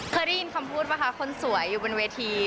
เคยได้ยินคำพูดป่ะคะคนสวยอยู่บนเวที